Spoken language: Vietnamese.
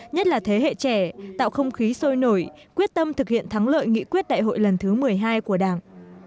nhất là thế hệ trẻ tạo không khí sôi nổi quyết tâm thực hiện thắng lợi nghị quyết đại hội lần thứ một mươi hai của đảng